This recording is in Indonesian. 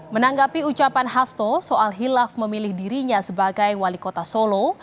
menanggapi ucapan hasto soal hilaf memilih dirinya sebagai wali kota solo